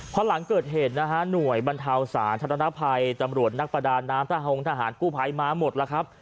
พอหลังเกิดเหตุนะฮะหน่วยบรรเทาสาธารณภัยตำรวจนักประดาน้ำทะหงทหารกู้ภัยมาหมดแล้วครับ